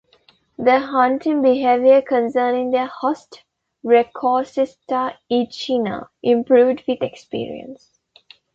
Their hunting behavior concerning their host "Rhechostica echina" improved with experience.